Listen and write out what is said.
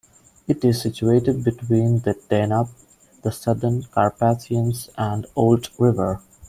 It is situated between the Danube, the Southern Carpathians and the Olt river.